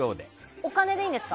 お金でいいんですか？